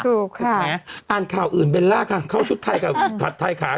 ถูกค่ะอ่านข่าวอื่นเบลล่าค่ะเข้าชุดไทยกับผัดไทยขา